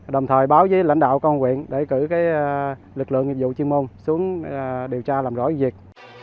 đồng thời báo với lãnh đạo công an huyện để cử lực lượng nghiệp dụng chuyên môn xuống điều tra làm rõ việc